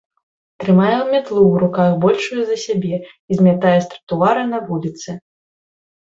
Трымае мятлу ў руках большую за сябе і змятае з тратуара на вуліцы.